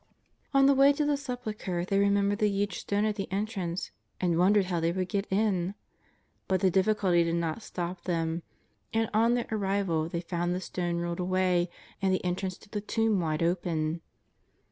On the way to the Sepulchre they remembered the huge stone at the entrance and wondered how they would get in. But the difficulty did not stop them, and on their arrival they found the stone rolled away and the entrance to the tomb wide open.